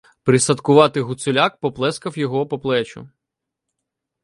Присадкуватий Гуцуляк поплескав його по плечу.